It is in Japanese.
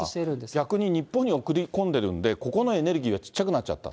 逆に日本に送り込んでるんで、ここのエネルギーはちっちゃくなっちゃった？